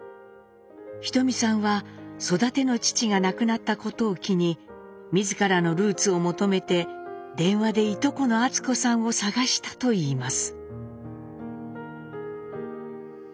ひとみさんは育ての父が亡くなったことを機に自らのルーツを求めて電話でいとこの厚子さんを探したといいます。